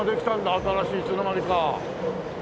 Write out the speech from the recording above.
新しいいつの間にか。